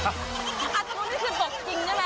อาจจะรู้ว่านี่คือตกจริงใช่ไหม